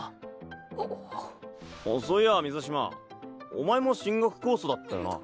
そういや水嶋お前も進学コースだったよな。